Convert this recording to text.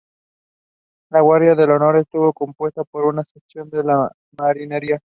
La Guardia de Honor estuvo compuesta por una Sección de la Marinería.